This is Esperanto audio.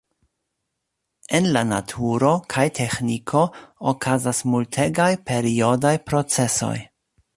En la naturo kaj teĥniko okazas multegaj periodaj procesoj.